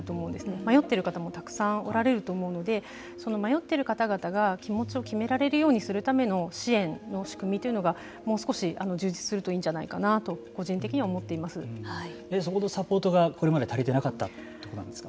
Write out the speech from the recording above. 迷っている方もたくさんおられると思うのでその迷っている方々が気持ちを決められるようにするための支援の仕組みというのがもう少し充実するといいんじゃないかとそこのサポートがこれまで足りてなかったということなんですか。